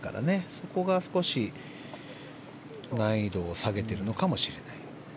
そこが、少し難易度を下げているのかもしれない。